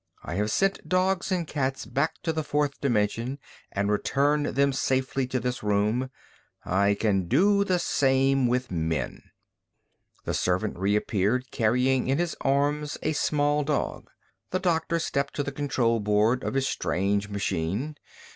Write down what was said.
I have sent dogs and cats back to the fourth dimension and returned them safely to this room. I can do the same with men." The servant reappeared, carrying in his arms a small dog. The doctor stepped to the control board of his strange machine.